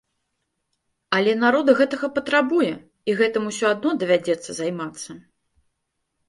Але народ гэтага патрабуе, і гэтым усё адно давядзецца займацца.